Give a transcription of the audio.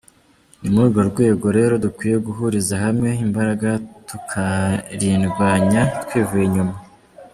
Ni muri urwo rwego rero dukwiye guhuriza hamwe imbaraga tukarirwanya twivuye inyuma.